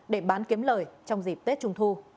để bán kiếm lời trong dịp tết trung thu